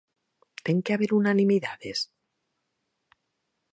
Ten que haber unanimidades?